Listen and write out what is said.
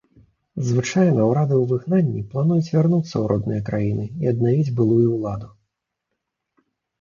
Звычайна ўрады ў выгнанні плануюць вярнуцца ў родныя краіны і аднавіць былую ўладу.